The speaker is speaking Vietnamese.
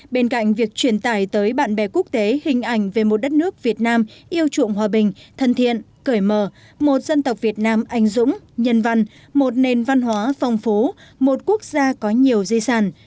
bên cạnh việc truyền tải tới bạn bè quốc tế hình ảnh về một đất nước việt nam yêu chuộng hòa bình thân thiện cởi mở một dân tộc việt nam anh dũng nhân văn một nền văn hóa phong phú một quốc gia có nhiều di sản